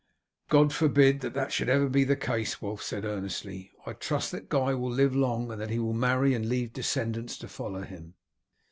"God forbid that that should ever be the case," Wulf said earnestly. "I trust that Guy will live long, and that he will marry and leave descendants to follow him."